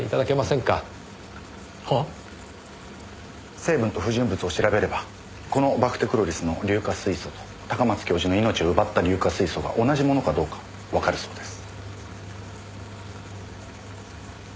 成分と不純物を調べればこのバクテクロリスの硫化水素と高松教授の命を奪った硫化水素が同じものかどうかわかるそうです。